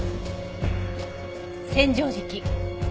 千畳敷。